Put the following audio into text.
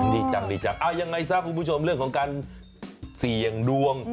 ดีจังดีจังเอายังไงซะคุณผู้ชมเรื่องของการเสี่ยงดวง